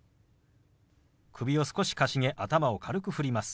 首を少しかしげ頭を軽く振ります。